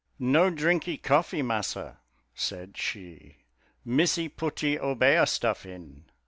"No drinkee coffee, Massa," said she, "Missy putty obeah stuff in."